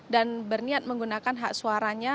dan berniat menggunakan hak suaranya